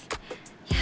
いや